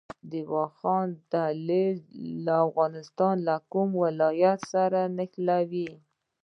د واخان دهلیز افغانستان له کوم هیواد سره نښلوي؟